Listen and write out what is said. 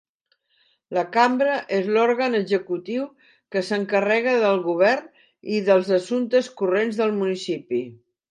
La Cambra és l'òrgan executiu que s'encarrega del govern i dels assumptes corrents del municipi.